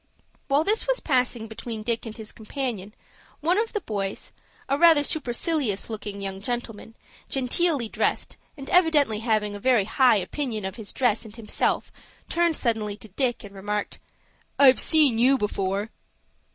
While this was passing between Dick and his companion, one of the boys, a rather supercilious looking young gentleman, genteelly dressed, and evidently having a very high opinion of his dress and himself turned suddenly to Dick, and remarked,— "I've seen you before."